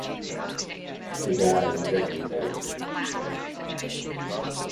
He died in Edinburgh.